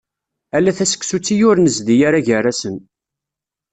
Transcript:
Ala taseksut i ur nezdi ara gar-asen.